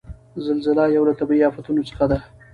زلزله یو له طبعیي آفتونو څخه ده.